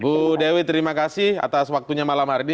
bu dewi terima kasih atas waktunya malam hari ini